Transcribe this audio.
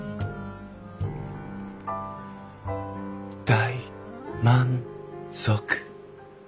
大満足。